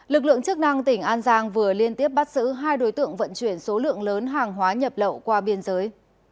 lực lượng chức năng tỉnh an giang vừa liên tiếp bắt xử hai đối tượng vận chuyển số lượng lớn hàng hóa nhập lậu qua biên giới